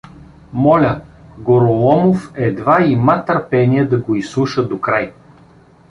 Моля… Гороломов едва има търпение да го изслуша докрай.